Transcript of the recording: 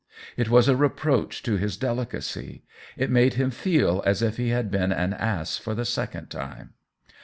It was a reproach to his deli cacy ; it made him feel as if he had been an ass for the second time.